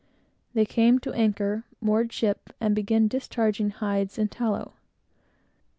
They came to anchor, moored ship, and commenced discharging hides and tallow.